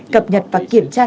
cập nhật và kiểm tra thêm